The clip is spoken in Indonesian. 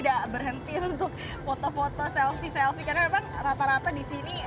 tidak berhenti untuk foto foto selfie selfie karena memang rata rata di sini